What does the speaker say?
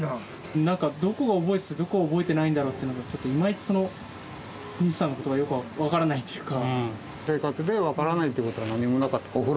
どこを覚えててどこを覚えてないんだろうっていうのがいまいちその西さんのことがよく分からないというか。